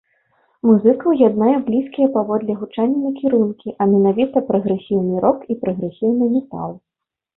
Музыкаў яднае блізкія паводле гучання накірункі, а менавіта прагрэсіўны рок і прагрэсіўны метал.